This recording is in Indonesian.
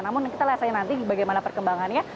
namun kita lihat saja nanti bagaimana perkembangannya